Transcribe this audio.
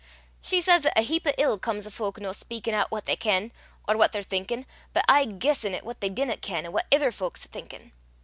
She says 'at a heap o' ill comes o' fowk no speykin' oot what they ken, or what they're thinkin', but aye guissin' at what they dinna ken, an' what ither fowk's thinkin'."